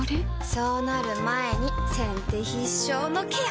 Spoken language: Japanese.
そうなる前に先手必勝のケア！